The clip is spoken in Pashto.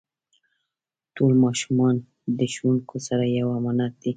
ټول ماشومان د ښوونکو سره یو امانت دی.